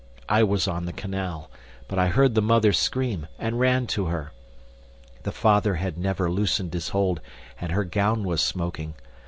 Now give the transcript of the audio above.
I was on the canal, but I heard the mother scream and ran to her. The father had never loosened his hold, and her gown was smoking.